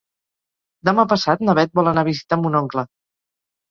Demà passat na Beth vol anar a visitar mon oncle.